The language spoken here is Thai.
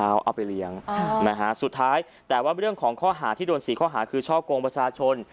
เอาไปเลี้ยงนะฮะสุดท้ายแต่ว่าเรื่องของข้อหาที่โดน๔ข้อหาคือช่อกงประชาชน